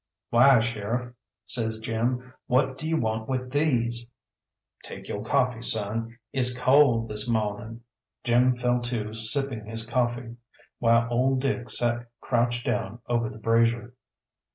"Why, sheriff," says Jim, "what do you want with these?" "Take yo' coffee, son. It's cold this mawnin'." Jim fell to sipping his coffee, while old Dick sat crouched down over the brazier.